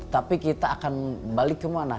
tapi kita akan balik ke mana